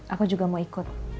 aku juga mau ikut